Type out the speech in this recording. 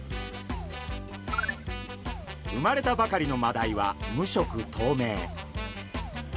生まれたばかりのマダイは無色とうめい。